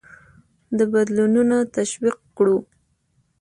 د بدلونونه تشویق کړو.